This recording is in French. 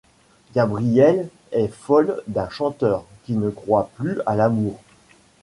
Gabrielle est folle d'un chanteur qui ne croit plus à l'amour.